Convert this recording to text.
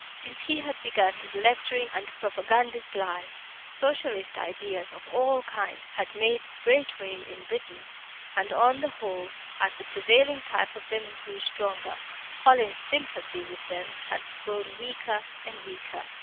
Since he had begun his lecturing and propagandist life, Socialist ideas of all kinds had made great way in England. And, on the whole, as the prevailing type of them grew stronger, Hallin's sympathy with them had grown weaker and weaker.